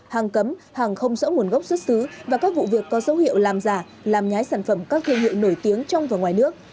hàng cấm hàng không rõ nguồn gốc xuất xứ và các vụ việc có dấu hiệu làm giả làm nhái sản phẩm các thương hiệu nổi tiếng trong và ngoài nước